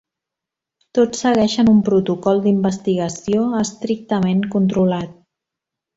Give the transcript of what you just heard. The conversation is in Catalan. Tots segueixen un protocol d'investigació estrictament controlat.